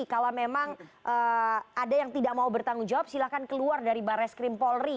kalau memang ada yang tidak mau bertanggung jawab silahkan keluar dari barres krim polri